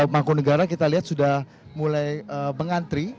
mangkunegara kita lihat sudah mulai mengantri